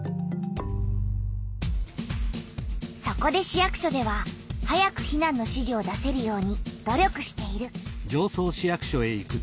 そこで市役所では早く避難の指示を出せるように努力している。